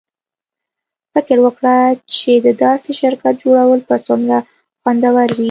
فکر وکړه چې د داسې شرکت جوړول به څومره خوندور وي